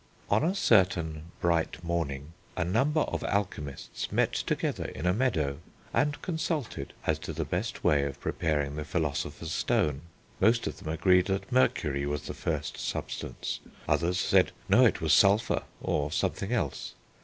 "On a certain bright morning a number of Alchemists met together in a meadow, and consulted as to the best way of preparing the Philosopher's Stone.... Most of them agreed that Mercury was the first substance. Others said, no, it was sulphur, or something else....